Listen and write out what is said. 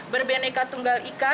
berbeneka tunggal ika